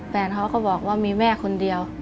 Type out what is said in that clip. แฟนเขาก็บอกว่ามีแม่คนเดียว